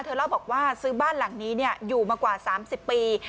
เล่าบอกว่าซื้อบ้านหลังนี้อยู่มากว่า๓๐ปี